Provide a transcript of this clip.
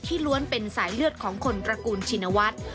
ล้วนเป็นสายเลือดของคนตระกูลชินวัฒน์